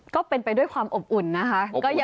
ก็เป็นไปด้วยความอบอุ่นนะคะ